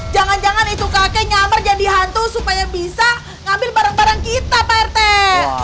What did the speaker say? jangan jangan itu kakek nyamar jadi hantu supaya bisa ngambil barang barang kita pak rt